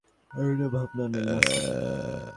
সেজন্যে ভাবনা নেই মাসি।